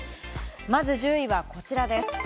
まず１０位はこちらです。